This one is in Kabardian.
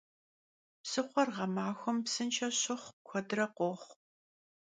Psıxhuer ğemaxuem psınşşe şıxhu kuedre khoxhu.